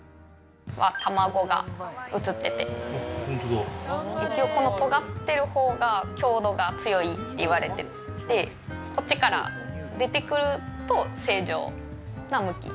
卵が映ってて、一応、この尖ってるところが強度が強いって言われてて、こっちから出てくると正常の向き。